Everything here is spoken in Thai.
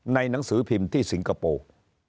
หนังสือพิมพ์ที่สิงคโปร์